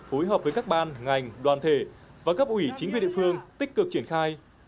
phối hợp với các ban ngành đoàn thể và cấp ủy chính quyền địa phương tích cực triển khai